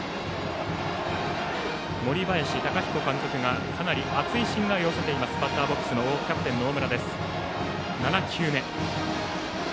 森林貴彦監督がかなり厚い信頼を寄せているバッターボックスのキャプテンの大村です。